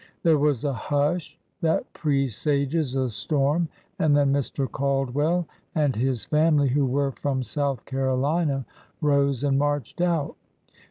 There was a hush that presages a storm, and then Mr. Caldwell and his family, who were from South Carolina, rose and marched out.